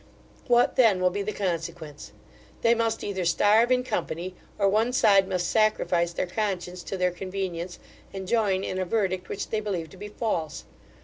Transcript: What then will be the consequence? They must either starve in company, or one side must sacrifice their conscience to their convenience, and join in a verdict which they believe to be false.